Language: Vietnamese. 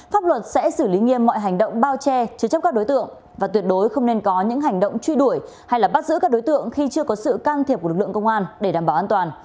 pháp luật sẽ xử lý nghiêm mọi hành động bao che chứa chấp các đối tượng và tuyệt đối không nên có những hành động truy đuổi hay bắt giữ các đối tượng khi chưa có sự can thiệp của lực lượng công an để đảm bảo an toàn